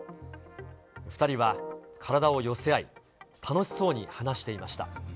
２人は体を寄せ合い、楽しそうに話していました。